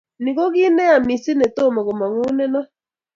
Ni ko kit ne ya mising ne tomo komonguneno